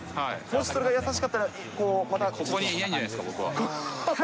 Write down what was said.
もしそれが優しかったらこう、ここにいないんじゃないです